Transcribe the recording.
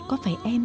có phải em